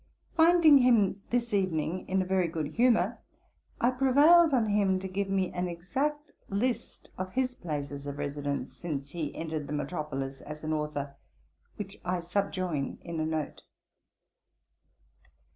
Finding him this evening in a very good humour, I prevailed on him to give me an exact list of his places of residence, since he entered the metropolis as an authour, which I subjoin in a note.